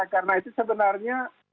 karena itu sebenarnya